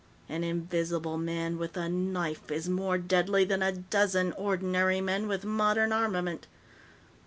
An invisible man with a knife is more deadly than a dozen ordinary men with modern armament.